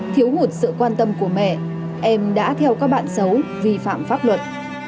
thiếu hụt sự quan tâm của mẹ em đã theo các bạn xấu vi phạm pháp luật